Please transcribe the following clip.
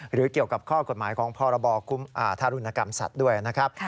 หรือเกี่ยวกับข้อกฎหมายของพรบคุ้มทารุณกรรมสัตว์ด้วยนะครับ